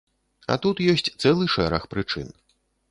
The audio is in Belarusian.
А тут ёсць цэлы шэраг прычын.